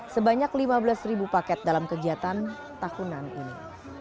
sebanyak lima belas paket dalam kegiatan takunan ini